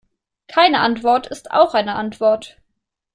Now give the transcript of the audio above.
Keine Antwort ist auch eine Antwort.